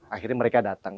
akhirnya mereka datang